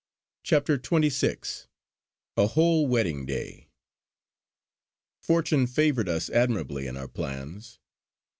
CHAPTER XXVI A WHOLE WEDDING DAY Fortune favoured us admirably in our plans.